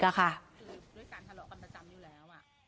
คือด้วยการทะเลาะกันประจำอยู่แล้ว